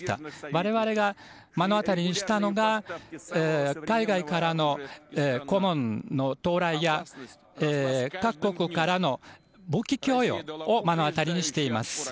我々が目の当たりにしたのが海外からの顧問の到来や各国からの武器供与を目の当たりにしています。